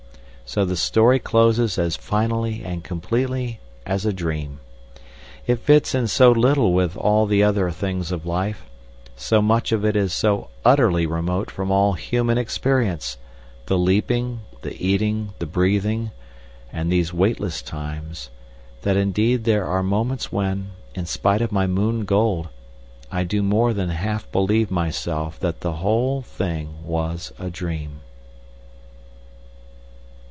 So the story closes as finally and completely as a dream. It fits in so little with all the other things of life, so much of it is so utterly remote from all human experience, the leaping, the eating, the breathing, and these weightless times, that indeed there are moments when, in spite of my moon gold, I do more than half believe myself that the whole thing was a dream....